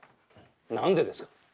何でですか。